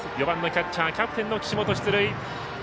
４番のキャッチャーキャプテンの岸本、出塁。